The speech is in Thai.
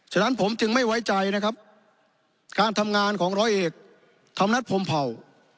ฉะนั้นผมจึงไม่ไว้ใจนะครับการทำงานของร้อยเอกธรรมนัฐพรมเผ่า